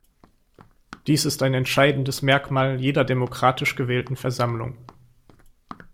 Dies ist ein entscheidendes Merkmal jeder demokratisch gewählten Versammlung.-